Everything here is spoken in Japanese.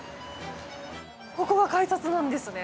ここが改札なんですね。